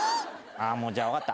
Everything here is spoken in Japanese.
じゃあ分かった。